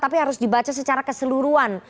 tapi harus dibaca secara keseluruhan